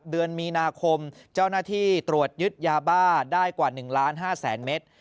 เดือนมีนาคมเจ้าหน้าที่ตรวจยึดยาบ้าได้กว่า๑ล้าน๕แสนเมตร